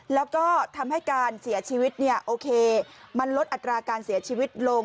แล้วก็ทำให้การเสียชีวิตเนี่ยโอเคมันลดอัตราการเสียชีวิตลง